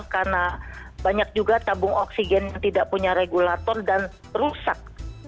karena banyak juga tabung oksigen yang tidak punya regulator dan rusak